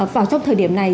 vào trong thời điểm này